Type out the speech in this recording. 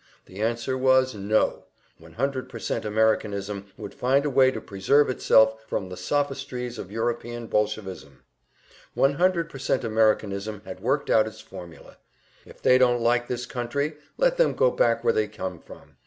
The answer was "No!" 100% Americanism would find a way to preserve itself from the sophistries of European Bolshevism; 100% Americanism had worked out its formula: "If they don't like this country, let them go back where they come from."